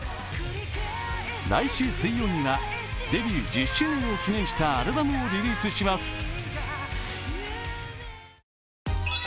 来週水曜には、デビュー１０周年を記念したアルバムをリリースします。